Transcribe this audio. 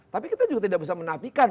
tapi kita juga tidak bisa menafikan